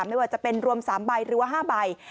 ไม่ว่าจะเป็นรวม๓ใบหรือว่า๕ใบ